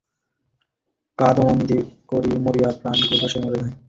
কাদম্বিনী মরিয়া প্রমাণ করিল, সে মরে নাই।